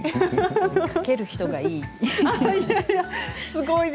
かける人がいい。